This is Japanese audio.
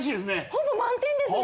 ほぼ満点ですね。